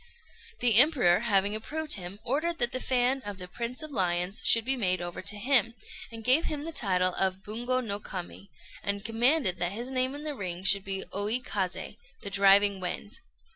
The Emperor, having approved him, ordered that the fan of the "Prince of Lions" should be made over to him, and gave him the title of Bungo no Kami, and commanded that his name in the ring should be Oi Kazé, the "Driving Wind."